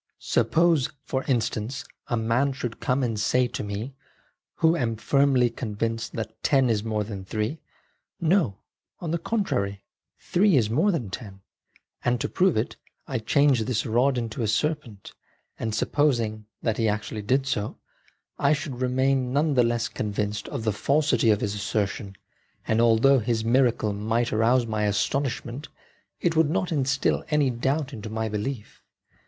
Suppose, for in stance, a man should come and say to me, who am firmly convinced that ten is more than three, " No ; on the contrary, three is more than ten, and, to prove it, I change this rod into a serpent," CAN THE SENSES BE TRUSTED? 15 and supposing that he actually did so, I should remain none the less convinced of the falsity of his assertion, and although his miracle might arouse my astonishment, it would not instil any doubt into my belief.